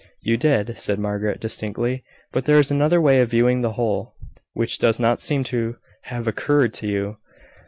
"You did," said Margaret, distinctly. "But there is another way of viewing the whole, which does not seem to have occurred to you.